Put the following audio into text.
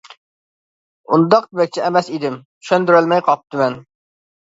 ئۇنداق دېمەكچى ئەمەس ئىدىم، چۈشەندۈرەلمەي قاپتىمەن.